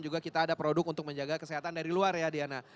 juga kita ada produk untuk menjaga kesehatan dari luar ya diana